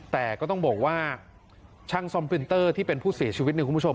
แต่ก็ต้องบอกว่าช่างซ่อมฟินเตอร์ที่เป็นผู้เสียชีวิตเนี่ยคุณผู้ชม